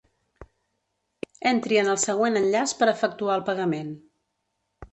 Entri en el següent enllaç per efectuar el pagament:.